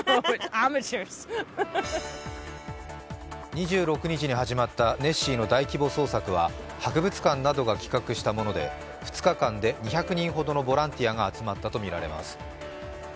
２６日に始まったネッシーの大規模捜索は博物館などが企画したもので２日間で２００人ほどのボランティアが集まったとみられます。